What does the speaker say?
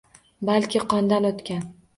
Balki, qondan o’tgan.